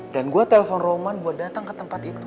dan gua telpon roman buat datang ke tempat itu